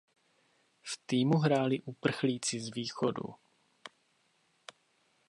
V týmu hráli uprchlíci z Východu.